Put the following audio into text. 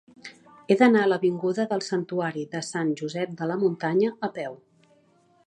He d'anar a l'avinguda del Santuari de Sant Josep de la Muntanya a peu.